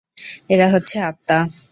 এরা হচ্ছে আত্মা।